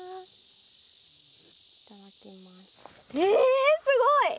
えすごい！